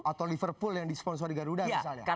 atau liverpool yang disponsori garuda misalnya